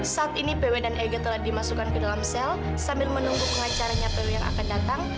saat ini pw dan eg telah dimasukkan ke dalam sel sambil menunggu pengacaranya pw yang akan datang